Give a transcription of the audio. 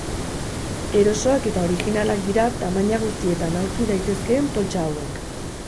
Erosoak eta originalak dira tamaina guztietan aurki daitezkeen poltsa hauek.